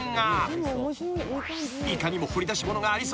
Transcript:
［いかにも］